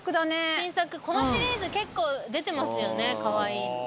このシリーズ結構出てますよねかわいい。